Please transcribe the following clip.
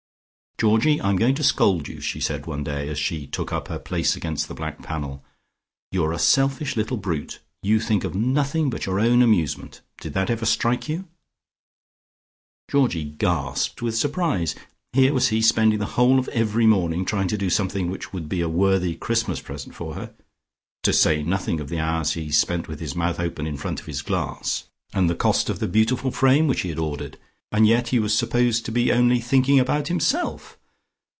"Georgie, I'm going to scold you," she said one day, as she took up her place against the black panel. "You're a selfish little brute. You think of nothing but your own amusement. Did that ever strike you?" Georgie gasped with surprise. Here was he spending the whole of every morning trying to do something which would be a worthy Christmas present for her (to say nothing of the hours he had spent with his mouth open in front of his glass, and the cost of the beautiful frame which he had ordered) and yet he was supposed to be only thinking about himself.